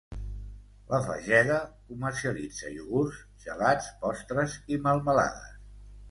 La Fageda comercialitza iogurts, gelats, postres i melmelades.